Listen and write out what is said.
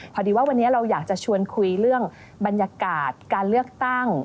พอดีว่าวันนี้เราอยากจะชวนคุยเรื่องบรรยากาศการเลือกตั้ง